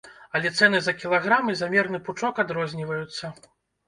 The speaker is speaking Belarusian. Але цэны за кілаграм і за мерны пучок адрозніваюцца.